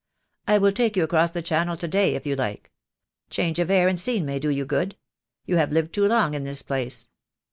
"I will take you across the Channel to day, if you like. Change of air and scene may do you good. You have lived too long in this place."